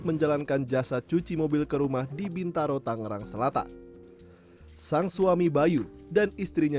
menjalankan jasa cuci mobil ke rumah di bintaro tangerang selatan sang suami bayu dan istrinya